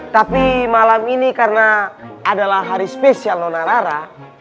tapi malam ini karena adalah hari spesial nona rara